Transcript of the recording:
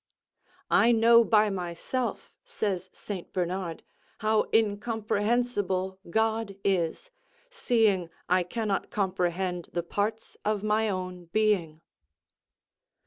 "I know by myself," says St Bernard, "how incomprehensible God is, seeing I cannot comprehend the parts of my own being."